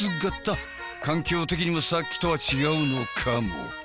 環境的にもさっきとは違うのかも。